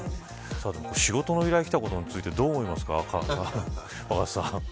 仕事の依頼がきたことについてどう思いますか、若狭さん。